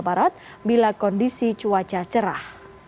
bila kondisi cuaca cerah